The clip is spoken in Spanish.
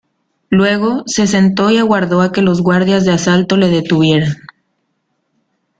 Luego, se sentó y aguardó a que los guardias de asalto le detuvieran.